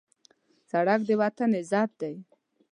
سړک د وطن عزت دی.